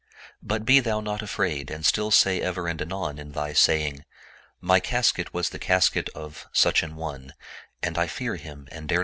But be thou not afraid and still say ever and anon in thy saying: My casket was the casket of Such an one, and I fear him and dare